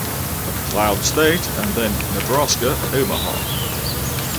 Cloud State and then Nebraska–Omaha.